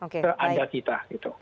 ke anda kita gitu